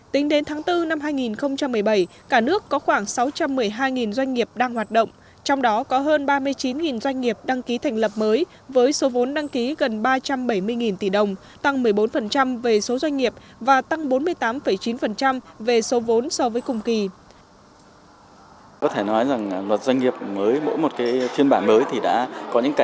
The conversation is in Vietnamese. tính đến tháng bốn năm hai nghìn một mươi bảy cả nước có khoảng sáu trăm một mươi hai doanh nghiệp đang hoạt động trong đó có hơn ba mươi chín doanh nghiệp đăng ký thành lập mới với số vốn đăng ký gần ba trăm bảy mươi tỷ đồng